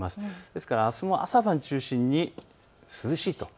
ですからあす朝晩中心に涼しいと。